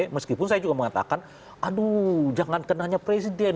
meskipun saya juga mengatakan aduh jangan kenanya presiden